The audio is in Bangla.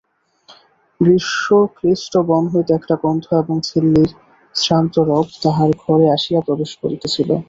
গ্রীষ্মক্লিষ্ট বন হইতে একটা গন্ধ এবং ঝিল্লির শ্রান্তরব তাহার ঘরে আসিয়া প্রবেশ করিতেছিল।